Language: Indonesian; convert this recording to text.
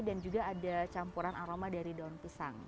dan juga ada campuran aroma dari daun pisang